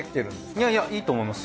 いやいやいいと思います